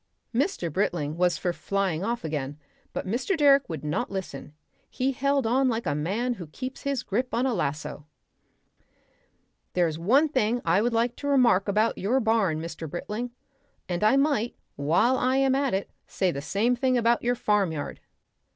Mr. Britling was for flying off again, but Mr. Direck would not listen; he held on like a man who keeps his grip on a lasso. "There's one thing I would like to remark about your barn, Mr. Britling, and I might, while I am at it, say the same thing about your farmyard."